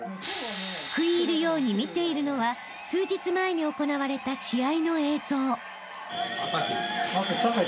［食い入るように見ているのは数日前に行われた試合の映像］